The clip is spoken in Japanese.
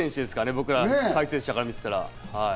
僕ら、解説者から見ていたら。